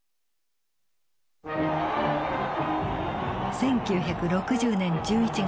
１９６０年１１月。